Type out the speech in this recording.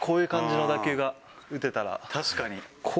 確かに。